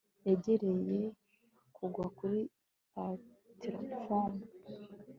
yegereye kugwa kuri platifomu